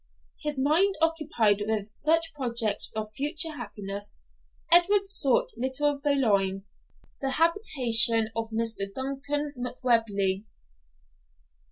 His mind occupied with such projects of future happiness, Edward sought Little Veolan, the habitation of Mr. Duncan Macwheeble.